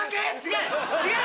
違う！